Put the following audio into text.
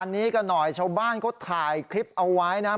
อันนี้ก็หน่อยชาวบ้านเขาถ่ายคลิปเอาไว้นะครับ